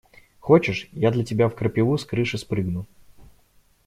Хочешь, я для тебя в крапиву с крыши спрыгну?